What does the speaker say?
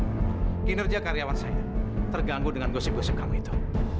kinerja karyawan saya terganggu dengan gosip gosip kamu itu